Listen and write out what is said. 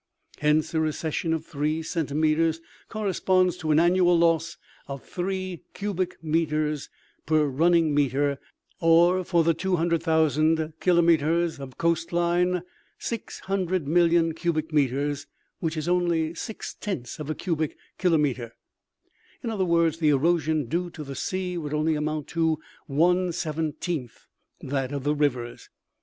Hence, a recession of three centimeters 86 OMEGA. corresponds to an annual loss of three cubic meters per running meter, or, for the 200,000 kilometers of coast line, 600,000,000 cubic meters, which is only six tenths of a cubic kilometer. In other words, the erosion due to the sea would only amount to one seventeenth that of the rivers.